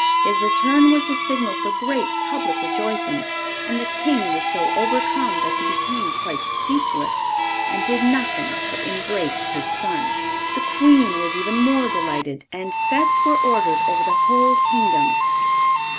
His return was the signal for great public rejoicings, and the King was so overcome that he became quite speechless, and did nothing but embrace his son. The Queen was even more delighted, and fetes were ordered over the whole kingdom.